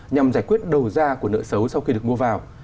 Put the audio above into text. nhằm giải quyết đầu ra của nợ xấu sau khi được mua vào